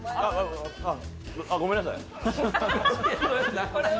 あ、ごめんなさい。